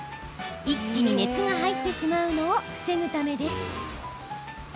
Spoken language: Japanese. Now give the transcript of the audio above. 一気に熱が入ってしまうのを防ぐためです。